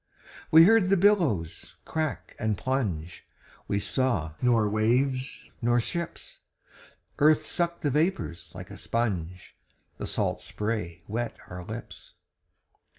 We heard the billows crack and plunge, We saw nor waves nor ships. Earth sucked the vapors like a sponge, The salt spray wet our lips.